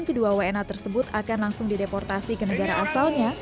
kedua wna tersebut akan langsung dideportasi ke negara asalnya